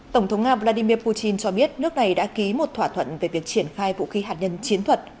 tổng thống nga vladimir putin cho biết nước này đã ký một thỏa thuận về việc triển khai vũ khí hạt nhân chiến thuật